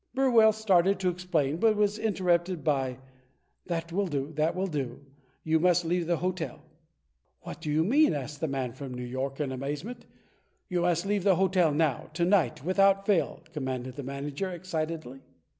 Burwell started to explain, but was interrupted by: "That will do, that will do. You must leave the hotel." "What do you mean? " asked the man from New York, in amaze ment. "You must leave the hotel now — ^to night — without fail," com manded the manager, excitedly.